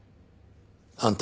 あんた